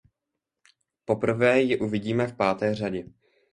Poprvé ji uvidíme v páté řadě.